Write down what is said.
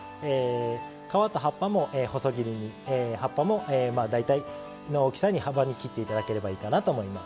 皮と葉っぱも細切りに葉っぱも大体の大きさの幅に切っていただいたらいいと思います。